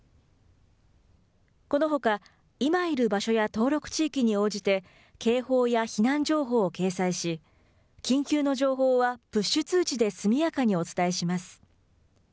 このほか、今いる場所や登録地域に応じて警報や避難情報を掲載し、緊急の情報は、プッシュ通知で速やかにお伝えします。